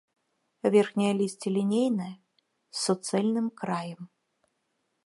Верхняе лісце лінейнае, з суцэльным краем.